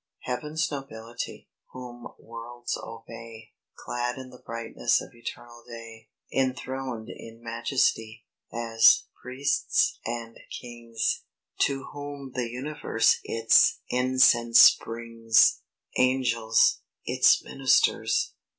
Heaven's Nobility, whom worlds obey, Clad in the brightness of eternal day, Enthroned in majesty, as "Priests and Kings," To whom the universe its incense brings! Angels, its ministers!